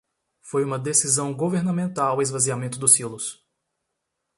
Foi uma decisão governamental o esvaziamento dos silos